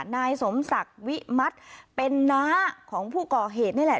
นายสมศักดิ์วิมัติเป็นน้าของผู้ก่อเหตุนี่แหละ